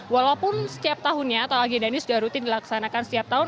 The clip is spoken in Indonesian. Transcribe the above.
walaupun setiap tahunnya atau agenda ini sudah rutin dilaksanakan setiap tahun